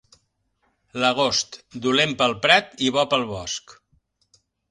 L'agost, dolent per al prat i bo per al bosc.